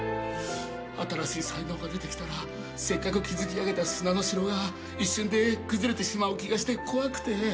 新しい才能が出てきたらせっかく築き上げた砂の城が一瞬で崩れてしまう気がして怖くて。